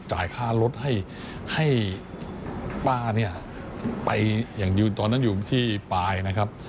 จ่ายค่ารถให้ป้าไปอย่างตอนนั้นอยู่ที่ปลายนะครับ